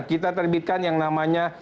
kita terbitkan yang namanya